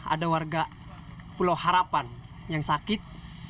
ada warga pulau harapan yang sakit